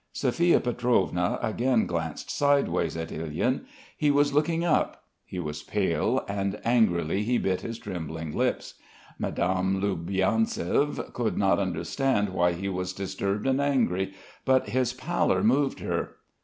Sophia Pietrovna again glanced sideways at Ilyin. He was looking up. He was pale, and angrily he bit his trembling lips. Madame Loubianzev could not understand why he was disturbed and angry, but his pallor moved her.